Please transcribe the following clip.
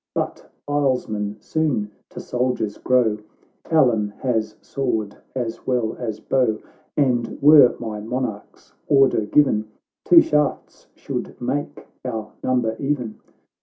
But islesmen soon to soldiers grow, — Allan has sword as well as bow, And were my Monarch's order given, Two shafts should make our number even."